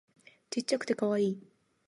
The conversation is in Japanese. ちっちゃくてカワイイ